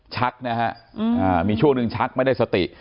ชักนะฮะมีช่วงหนึ่งชักไม่ได้สติ